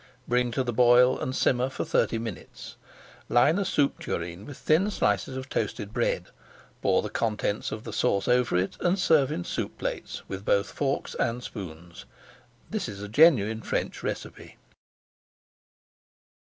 Bring to the boil, and simmer for thirty minutes. Line a soup tureen with thin slices of toasted bread, pour the contents of the sauce over it, and serve in soup plates, with both forks and spoons. This is a genuine French recipe.